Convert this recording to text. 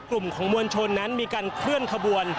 กลุ่มของมวลชนนั้นมีการเคลื่อนขบวน